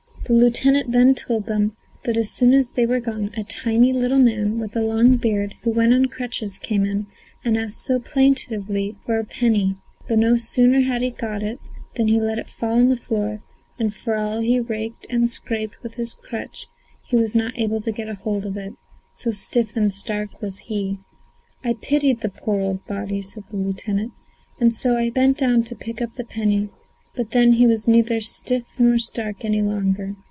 The lieutenant then told them that as soon as they were gone a tiny, little man, with a long beard, who went on crutches, came in and asked so plaintively for a penny; but no sooner had he got it than he let it fall on the floor, and for all he raked and scraped with his crutch he was not able to get hold of it, so stiff and stark was he. "I pitied the poor, old body," said the lieutenant, "and so I bent down to pick up the penny, but then he was neither stiff nor stark any longer.